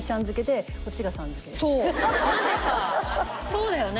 そうだよね。